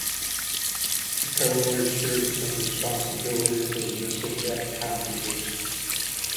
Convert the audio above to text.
McElroy shared some responsibility for the missile gap controversy.